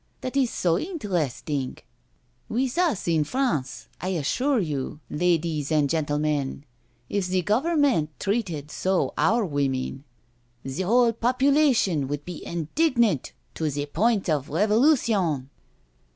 That is so interesting — with us in France^ I assure you, ladies and gentlemen, if the Government treated so our women, the whole population would be indignant to the point of a revolu tion."